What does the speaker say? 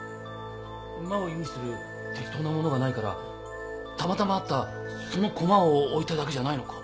馬を意味する適当なものがないからたまたまあったその独楽を置いただけじゃないのか？